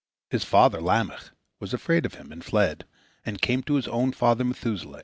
His father Lamech was afraid of him, and fled, and came to his own father Methuselah.